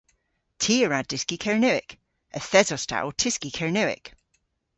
Ty a wra dyski Kernewek. Yth esos ta ow tyski Kernewek.